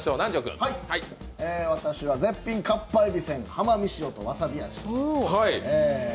私は絶品かっぱえびせん浜御塩とわさび味